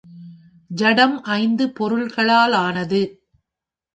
ஜடம் ஐந்து பொருள்களாலானது.